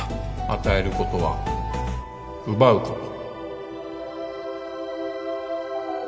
与えることは奪うこと